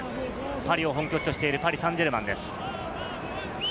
パリを本拠地としているパリ・サンジェルマンです。